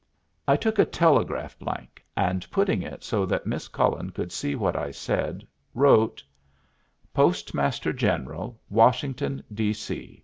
I took a telegraph blank, and, putting it so that Miss Cullen could see what I said, wrote, "Postmaster General, Washington, D. C.